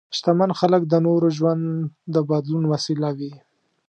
شتمن خلک د نورو ژوند د بدلون وسیله وي.